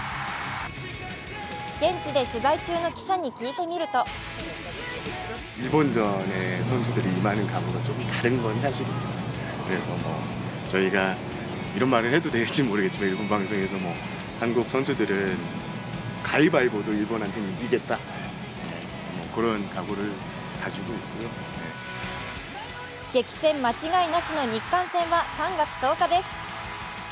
現地で取材中の記者に聞いてみると激戦間違いなしの日韓戦は３月１０日です。